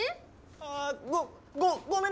⁉ああごごごめんなさい！